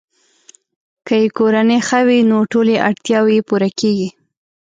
که یې کورنۍ ښه وي، نو ټولې اړتیاوې یې پوره کیږي.